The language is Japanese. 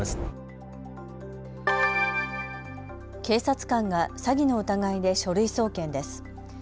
警察官が詐欺の疑いで書類送検です。